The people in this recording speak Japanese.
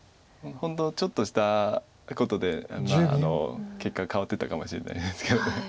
本当ちょっとしたことで結果変わってたかもしれないんですけど。